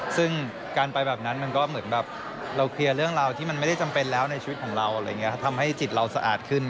ซึ่งการไปแบบนั้นมันก็เหมือนแบบเราเคลียร์เรื่องราวที่มันไม่ได้จำเป็นแล้วในชีวิตของเราอะไรอย่างนี้ทำให้จิตเราสะอาดขึ้น